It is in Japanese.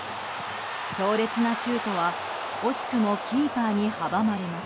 強烈なシュートは惜しくもキーパーに阻まれます。